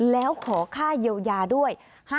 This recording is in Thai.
แล้วขอค่าเยียวยาด้วย